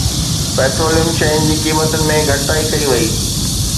petroleum شين جي قيمتن ۾ گهٽتائي ڪئي وئي